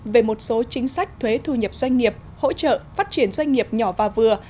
về một số chính sách thuế thu nhập doanh nghiệp hỗ trợ phát triển doanh nghiệp nhỏ và vừa